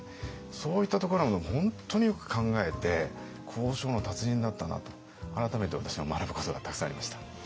そういったところを本当によく考えて交渉の達人だったなと改めて私は学ぶことがたくさんありました。